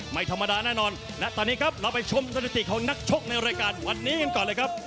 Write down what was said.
ไม่ธรรมดาแน่นอนและตอนนี้ครับเราไปชมสถิติของนักชกในรายการวันนี้กันก่อนเลยครับ